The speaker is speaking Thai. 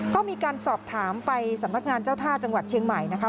ก็มีการสอบถามไปสำนักงานเจ้าท่าจังหวัดเชียงใหม่นะคะ